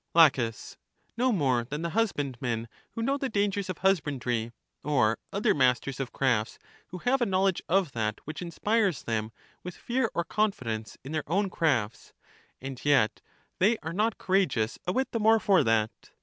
La, No more than the husbandmen who know the dangers of husbandry, or other masters of crafts, who have a knowledge of that which inspires them with fear or confidence in their own crafts, and yet they are not courageous a whit the more for that.